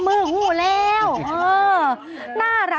มิชุนา